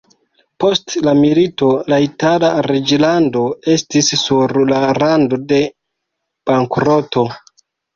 Post la milito la itala reĝlando estis sur la rando de bankroto.